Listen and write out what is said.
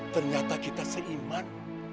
ternyata kita seiman